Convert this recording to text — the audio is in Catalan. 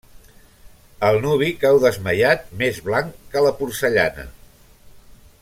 El nuvi cau desmaiat, més blanc que la porcellana.